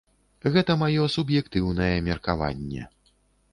Гэта маё суб'ектыўнае меркаванне.